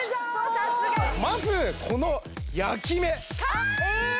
さすがにまずこの焼き目あーっ！